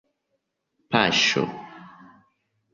paŝo